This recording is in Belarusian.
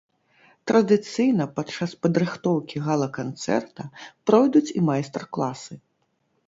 Традыцыйна падчас падрыхтоўкі гала-канцэрта пройдуць і майстар-класы.